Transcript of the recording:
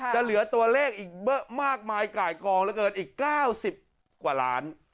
เหลือตัวเลขอีกมากมายไก่กองเหลือเกินอีก๙๐กว่าล้าน